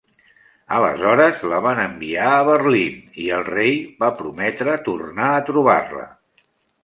Aleshores la van enviar a Berlín i el rei va prometre tornar a trobar-la.